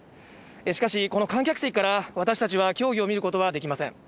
しかし、この観客席から私たちは競技を見ることはできません。